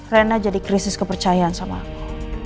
rena jadi krisis kepercayaan sama aku